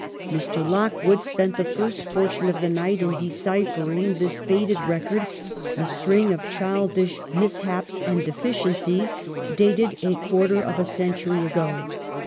Mr. Lockwood spent the first portion of the night in deciphering this faded record ; a string of childish mishaps and deficiencies dated a quar ter of a century ago.